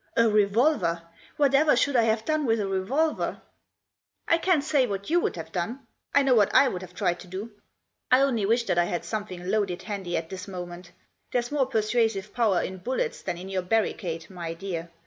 " A revolver ! Whatever should I have done with a revolver ?"" I can't say what you'd have done. I know what I'd have tried to do. I only wish that I had something loaded handy at this moment, there's more persuasive power in bullets than in your barricade, my dear.